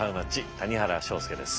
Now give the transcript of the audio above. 谷原章介です。